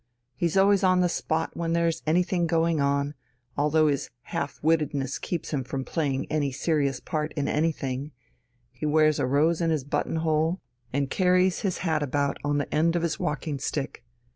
He is always on the spot when there is anything going on, although his half wittedness keeps him from playing any serious part in anything; he wears a rose in his buttonhole, and carries his hat about on the end of his walking stick.